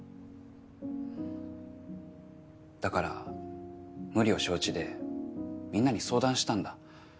だから無理を承知でみんなに相談したんだ。